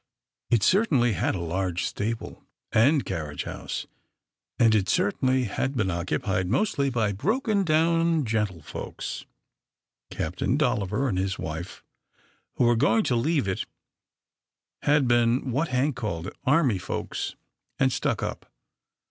It certainly had a large stable, and carriage house, and it certainly had been occupied mostly by broken down gentlefolks. Captain Dolliver and his wife, who were going to leave it, had been what Hank called, " army folks and stuck up."